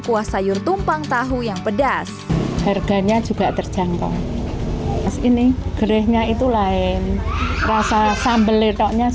kuah sayur tumpang tahu yang pedas harganya juga terjangkau ini gedenya itu lain rasa sambal letoknya